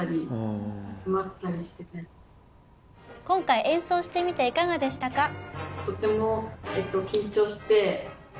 今回演奏してみていかがでしたか？